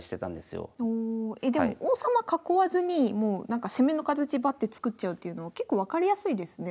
えでも王様囲わずにもうなんか攻めの形バッて作っちゃうっていうのは結構分かりやすいですね。